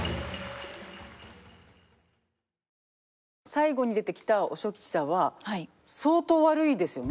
最後に出てきた和尚吉三は相当ワルいですよね。